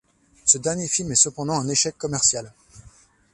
Ce dernier film est cependant un échec commercial.